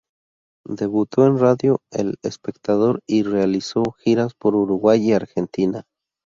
Debutó en radio El Espectador y realizó giras por Uruguay y Argentina.